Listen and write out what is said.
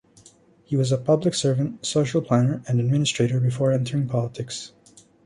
He was a public servant, social planner, and administrator before entering politics.